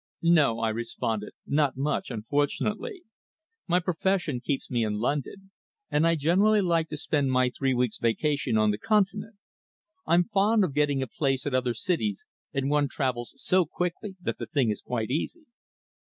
"No," I responded, "not much, unfortunately. My profession keeps me in London, and I generally like to spend my three weeks' vacation on the Continent. I'm fond of getting a glance at other cities, and one travels so quickly that the thing is quite easy."